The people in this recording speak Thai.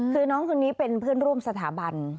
คือน้องคนนี้เป็นเพื่อนร่วมสถาบัน